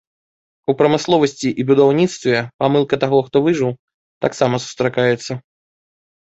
У прамысловасці і будаўніцтве памылка таго, хто выжыў, таксама сустракаецца.